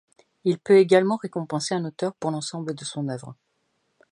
Il peut également récompenser un auteur pour l'ensemble de son œuvre.